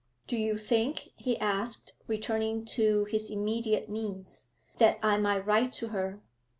'Do you think,' he asked, returning to his immediate needs, 'that I might write to her?'